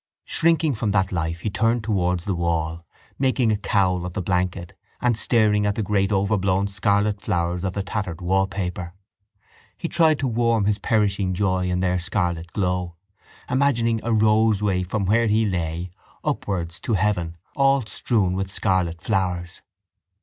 Shrinking from that life he turned towards the wall, making a cowl of the blanket and staring at the great overblown scarlet flowers of the tattered wallpaper. He tried to warm his perishing joy in their scarlet glow, imagining a roseway from where he lay upwards to heaven all strewn with scarlet flowers.